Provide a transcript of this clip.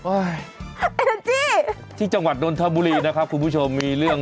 ไอ้นั่นจี้ที่จังหวัดนนทบุรีนะครับคุณผู้ชมมีเรื่อง